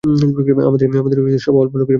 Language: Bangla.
আমাদের সভা অল্প লোকের সভা।